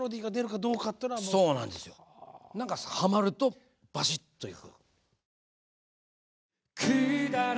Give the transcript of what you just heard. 何かはまるとバシッといく。